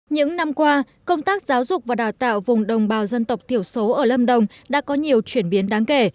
những năm qua công tác giáo dục và đào tạo vùng đồng bào dân tộc thiểu số ở lâm đồng đã có nhiều chuyển biến đáng kể